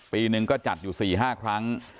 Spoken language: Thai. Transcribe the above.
ปีหนึ่งก็จัดอยู่๔๕ครั้ง